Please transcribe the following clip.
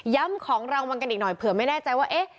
ของรางวัลกันอีกหน่อยเผื่อไม่แน่ใจว่าเอ๊ะ